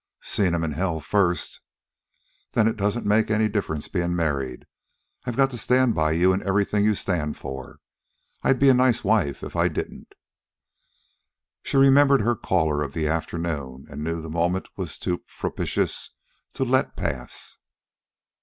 "Seen 'em in hell first." "Than it doesn't make any difference being married. I've got to stand by you in everything you stand for. I'd be a nice wife if I didn't." She remembered her caller of the afternoon, and knew the moment was too propitious to let pass.